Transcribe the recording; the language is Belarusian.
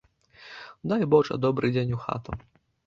Дай божа добры дзень у хату.